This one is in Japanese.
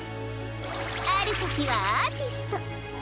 あるときはアーティスト。